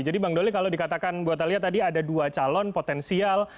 jadi bang doli kalau dikatakan buat kalian tadi ada dua calon potensial